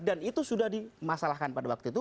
dan itu sudah dimasalahkan pada waktu itu